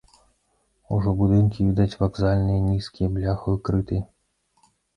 Ужо будынкі відаць вакзальныя нізкія, бляхаю крытыя.